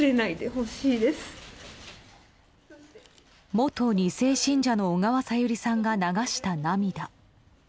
元２世信者の小川さゆりさんが流した涙。